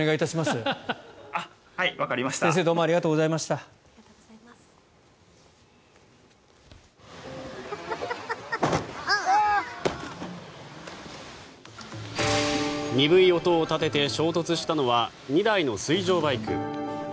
鈍い音を立てて衝突したのは２台の水上バイク。